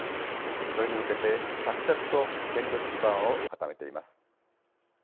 それに向けて、着々と権力基盤を固めています。